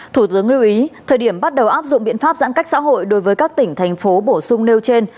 thủ tướng lưu ý thời điểm bắt đầu áp dụng biện pháp giãn cách xã hội đối với các tỉnh thành phố bổ sung nêu trên